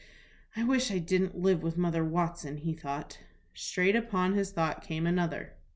"I wish I didn't live with Mother Watson," he thought. Straight upon this thought came another.